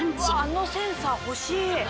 あのセンサー欲しい。